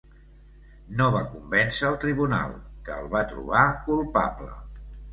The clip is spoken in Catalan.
No va convèncer el tribunal, que el va trobar culpable.